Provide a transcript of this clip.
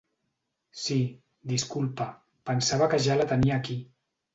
Sí, disculpa, pensava que ja la tenia aquí.